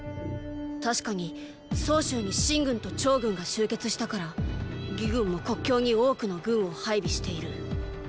たしかに曹州に秦軍と趙軍が集結したから魏軍も国境に多くの軍を配備している。